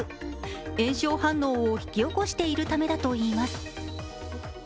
炎症反応を引き起こしているためだといいます。